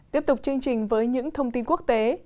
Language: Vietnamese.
tiếp tục chương trình với những thông tin quốc tế